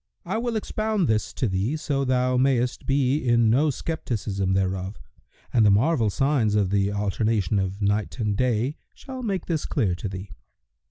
I will expound this to thee, so thou mayst be in no scepticism thereof, and the marvel signs of the alternation of Night and Day shall make this clear to thee.